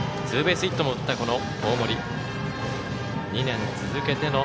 ツーベースヒットも打った大森。